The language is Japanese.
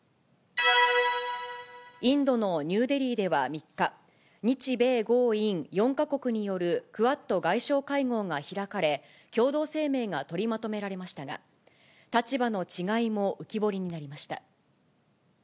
インドのニューデリーでは３日、日米豪印４か国によるクアッド外相会合が開かれ、共同声明が取りまとめられましたが、立場の違いも浮き彫りになりました。